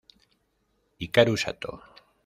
Hikaru Sato